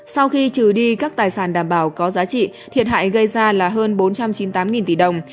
sau khi trừ đi các tài sản đảm bảo có giá trị thiệt hại gây ra là hơn bốn trăm chín mươi tám tỷ đồng